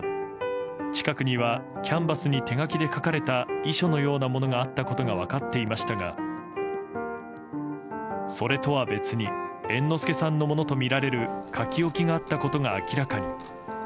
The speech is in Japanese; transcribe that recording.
近くにはキャンバスに手書きで書かれた遺書のようなものがあったことが分かっていましたがそれとは別に猿之助さんのものとみられる書き置きがあったことが明らかに。